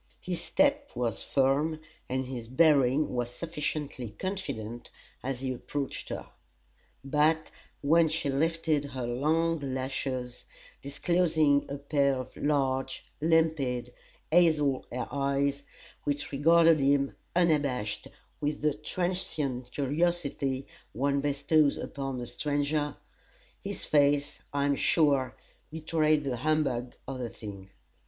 His step was firm and his bearing was sufficiently confident as he approached her; but when she lifted her long lashes, disclosing a pair of large, limpid, hazel eyes, which regarded him, unabashed, with the transient curiosity one bestows upon a stranger, his face, I am sure, betrayed the humbug of the thing.